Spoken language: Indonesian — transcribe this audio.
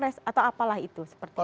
jadi itu yang kita harus lakukan